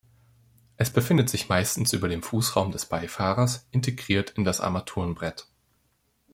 Es befindet sich meistens über dem Fußraum des Beifahrers, integriert in das Armaturenbrett.